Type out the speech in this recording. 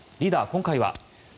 今回は？